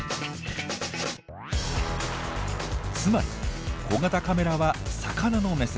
つまり小型カメラは魚の目線。